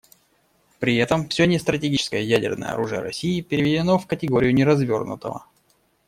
При этом все нестратегическое ядерное оружие России переведено в категорию неразвернутого.